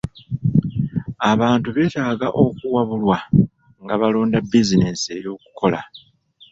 Abantu beetaaga okuwabulwa nga balonda bizinensi ey'okukola.